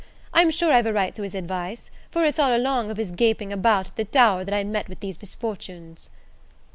I'm sure I've a right to his advice, for it's all along of his gaping about at the Tower that I've met with these misfortunes."